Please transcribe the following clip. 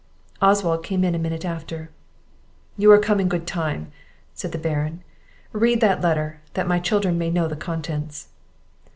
Oswald came in a minute after. "You are come in good time," said the Baron. "Read that letter, that my children may know the contents."